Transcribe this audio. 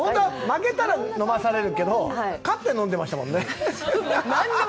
負けたら飲まされるけど、勝って飲んでましたよね。